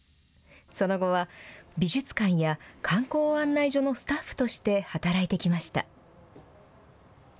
その後は美術館や観光案内所のスタッフとして働いてきました。